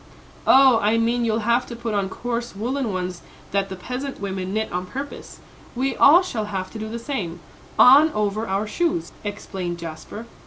"Oh, I mean you'll have to put on coarse woollen ones that the peasant women knit on purpose, we all shall have to do the same, on over our shoes," explained Jasper.